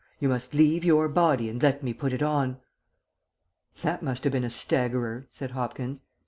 You must leave your body and let me put it on.'" "That must have been a staggerer," said Hopkins.